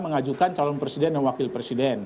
mengajukan calon presiden dan wakil presiden